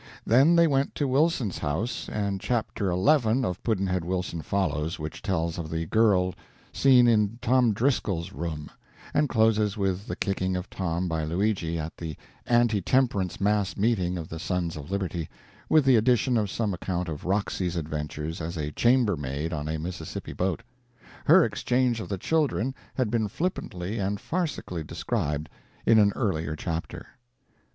Then they went to Wilson's house and Chapter XI of Pudd'nhead Wilson follows, which tells of the girl seen in Tom Driscoll's room; and closes with the kicking of Tom by Luigi at the anti temperance mass meeting of the Sons of Liberty; with the addition of some account of Roxy's adventures as a chamber maid on a Mississippi boat. Her exchange of the children had been flippantly and farcically described in an earlier chapter.